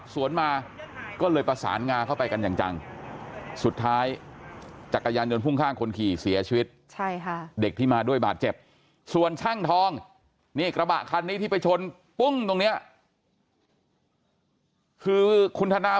ส่วนช่างทองนี่กระบะคันนี้ที่ไปชนปุ้งตรงนี้คือคุณธนา